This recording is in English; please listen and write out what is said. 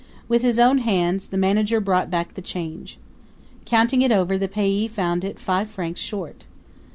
With his own hands the manager brought back the change. Counting it over, the payee found it five francs short.